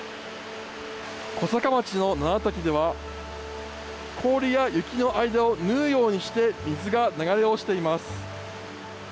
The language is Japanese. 小坂町の七滝では、氷や雪の間を縫うようにして、水が流れ落ちています。